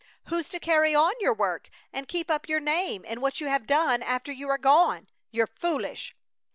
Who's to carry on your work and keep up your name and what you have done, after you are gone? You're foolish!"